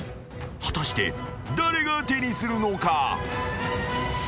［果たして誰が手にするのか］